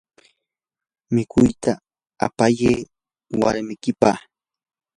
mikuyta apayi warmikipaq.